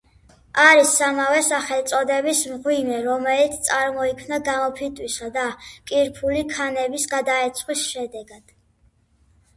არის ამავე სახელწოდების მღვიმე, რომელიც წარმოიქმნა გამოფიტვისა და კირქვული ქანების გადარეცხვის შედეგად.